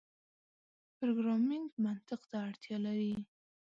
پروګرامنګ منطق ته اړتیا لري.